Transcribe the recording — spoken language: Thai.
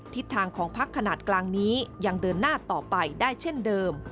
ทิศทางของพักขนาดกลางนี้ยังเดินหน้าต่อไปได้เช่นเดิม